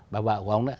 bà vợ của ông đó